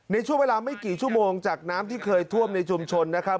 ในช่วงเวลาไม่กี่ชั่วโมงจากน้ำที่เคยท่วมในชุมชนนะครับ